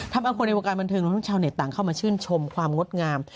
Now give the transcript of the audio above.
ทำเอาคนในวงการบันเทิงรวมทั้งชาวเน็ตต่างเข้ามาชื่นชมความงดงาม